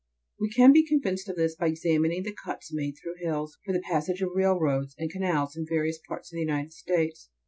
12. We can be convinced of this by examining the cuts made through hills for the passage of rail roads and canals in various parts of the United States.